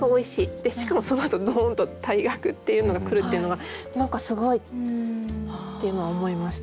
でしかもそのあとドーンと「退学」っていうのが来るっていうのが何かすごいっていうのは思いました。